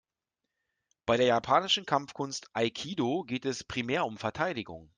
Bei der japanischen Kampfkunst Aikido geht es primär um Verteidigung.